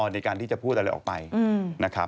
ในการที่จะพูดอะไรออกไปนะครับ